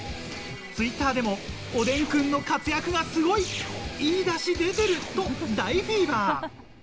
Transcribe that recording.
Ｔｗｉｔｔｅｒでもおでんくんの活躍がすごい！いい出汁が出てると大フィーバー。